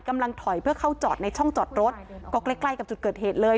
กำลังถอยเพื่อเข้าจอดในช่องจอดรถก็ใกล้ใกล้กับจุดเกิดเหตุเลย